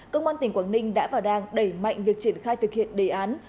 công an tỉnh quảng ninh đã và đang đẩy mạnh việc triển khai thực hiện đề án